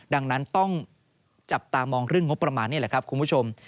ดังนั้นต้องจับตามองเรื่องงบประมาณนี่แหละครับคุณผู้ชม